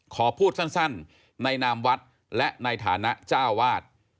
ขอพูดสั้นในนามวัดและในฐานะเจ้าวาด